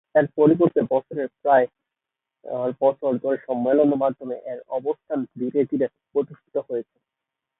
এর পরিবর্তে, বছরের পর বছর ধরে সম্মেলনের মাধ্যমে এর অবস্থান ধীরে ধীরে প্রতিষ্ঠিত হয়েছে।